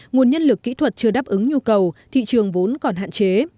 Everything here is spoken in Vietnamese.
nguồn nhân lực kỹ thuật chưa đáp ứng nhu cầu thị trường vốn còn hạn chế